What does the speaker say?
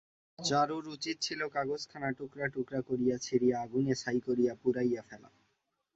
চারুর উচিত ছিল কাগজখানা টুকরা টুকরা করিয়া ছিঁড়িয়া আগুনে ছাই করিয়া পুড়াইয়া ফেলা।